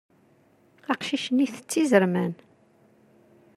Aqcic-nni itett izerman.